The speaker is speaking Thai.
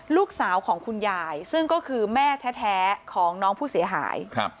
ลูกชายของคุณยายซึ่งก็คือแม่แท้ของน้องผู้เสียหาย